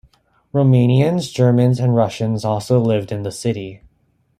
Romanians, Germans and Russians also lived in the city.